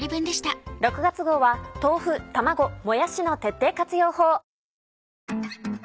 ６月号は豆腐卵もやしの徹底活用法。